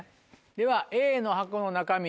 ではＡの箱の中身